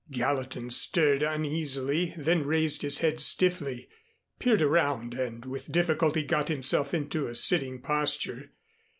Gallatin stirred uneasily, then raised his head stiffly, peered around and with difficulty got himself into a sitting posture.